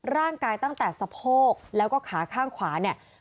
ตั้งแต่สะโพกแล้วก็ขาข้างขวาเนี่ย